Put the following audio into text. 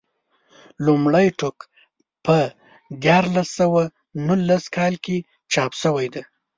لومړی ټوک په دیارلس سوه نولس کال کې چاپ شوی دی.